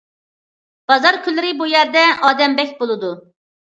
بازار كۈنلىرى بۇ يەردە ئادەم بەك بولىدۇ.